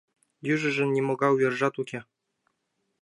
Южыжын нимогай увержат уке.